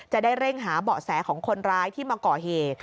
จะได้เร่งหาเบาะแสของคนร้ายที่มาก่อเหตุ